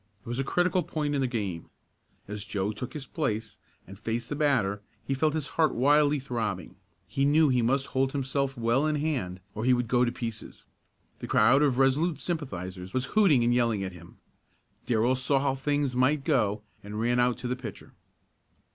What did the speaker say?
It was a critical point in the game. As Joe took his place and faced the batter he felt his heart wildly throbbing. He knew he must hold himself well in hand or he would go to pieces. The crowd of Resolute sympathizers was hooting and yelling at him. Darrell saw how things might go and ran out to the pitcher.